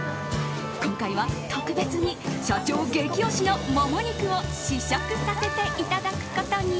今回は特別に社長激推しのモモ肉を試食させていただくことに。